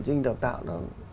trên trình tạo tạo